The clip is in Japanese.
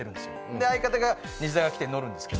で相方が西澤が来て乗るんですけど。